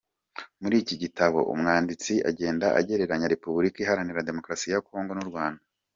Muri iki gitabo, umwanditsi agenda agereranya Repubulika Iharanira Demokarasi ya Congo n’u Rwanda.